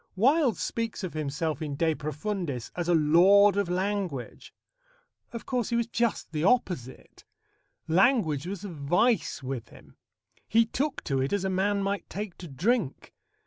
Wilde speaks of himself in De Profundis as a lord of language. Of course, he was just the opposite. Language was a vice with him. He took to it as a man might take to drink.